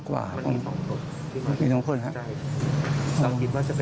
ทำไมไม่รู้อย่างนี้ซะ